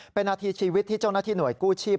เป็นนาทีชีวิตที่เจ้าหน้าที่หน่วยกู้ชีพ